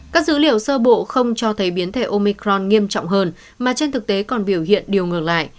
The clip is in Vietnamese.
các dữ liệu sơ bộ không cho thấy biến thể omicron nghiêm trọng hơn mà trên thực tế còn biểu hiện điều ngừng lại